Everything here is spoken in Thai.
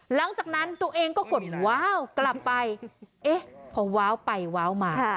หลังจากนั้นตัวเองก็กดว้าวกลับไปเอ๊ะพอว้าวไปว้าวมา